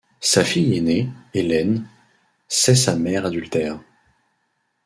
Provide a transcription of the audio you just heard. Sa fille aînée, Hélène, sait sa mère adultère.